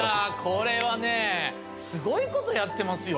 これはねすごいことやってますよ